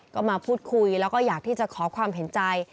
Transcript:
ก็มาพูดคุยแล้วก็อยากที่จะขอความเห็นใจ